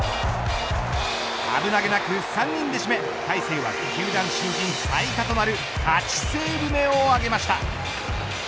危なげなく３人で締め大勢は、球団新人最多となる８セーブ目を挙げました。